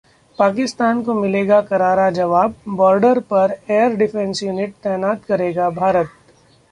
पाकिस्तान को मिलेगा करारा जवाब, बॉर्डर पर एयर डिफेंस यूनिट तैनात करेगा भारत